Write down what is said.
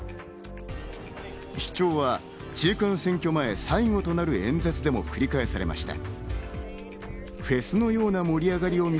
主張は中間選挙前、最後となる演説でも繰り返されました。